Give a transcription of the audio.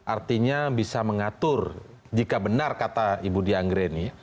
artinya bisa mengatur jika benar kata ibu dianggara ini